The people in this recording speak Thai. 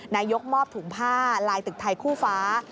นายกมอบถุงผ้าลายตึกไทยคู่ฟ้า